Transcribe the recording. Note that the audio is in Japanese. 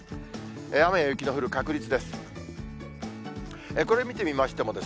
雨や雪の降る確率です。